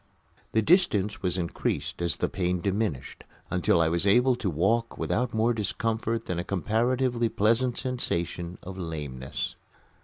The distance was increased as the pain diminished, until I was able to walk without more discomfort than a comparatively pleasant sensation of lameness.